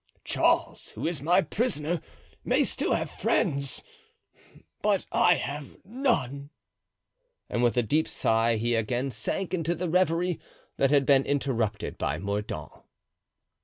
Charles, who is my prisoner, may still have friends, but I have none!" And with a deep sigh he again sank into the reverie that had been interrupted by Mordaunt.